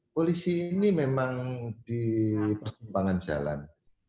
polisi ini memang di persimpangan jalan